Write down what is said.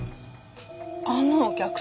あのお客さん。